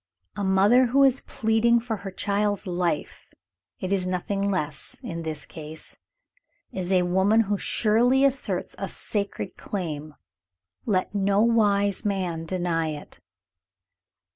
A mother who is pleading for her child's life it is nothing less, in this case is a woman who surely asserts a sacred claim. Let no wise man deny it."